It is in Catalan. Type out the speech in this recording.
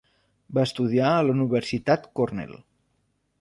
Va estudiar a la Universitat Cornell.